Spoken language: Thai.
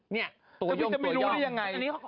เนี่ยตัวย่มตัวย่อม